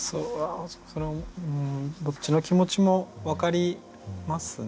どっちの気持ちも分かりますね。